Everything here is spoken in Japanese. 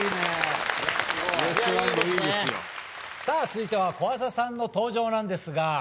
さあ続いては小朝さんの登場なんですが。